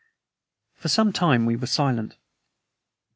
For some time we were silent.